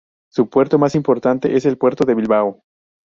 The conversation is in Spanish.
Su puerto más importante es el Puerto de Bilbao.